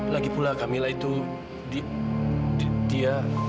lagipula kamila itu dia